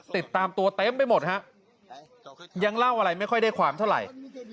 ติดตามตัวเต็มไปหมดฮะยังเล่าอะไรไม่ค่อยได้ความเท่าไหร่